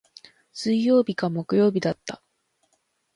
水曜日か木曜日だった。